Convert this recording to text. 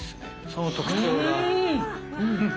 その特徴が。ああ。